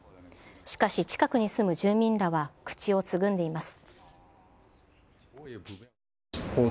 しかし、近くに住む住民らは口をつぐんでいます。